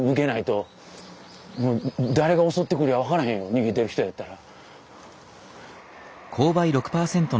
逃げてる人やったら。